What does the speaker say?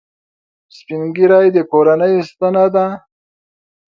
سپین ږیری د کورنۍ ستنه ده